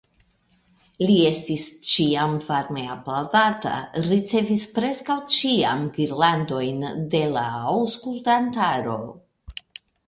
Li estis ĉiam varme aplaŭdata, ricevis preskaŭ ĉiam girlandojn de la aŭskultantaro.